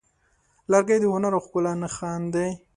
لرګی د هنر او ښکلا نښان دی.